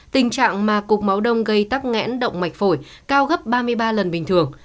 tình trạng mà cục máu đông gây tắc nghẽn động mạch phổi cao gấp ba mươi ba lần bình thường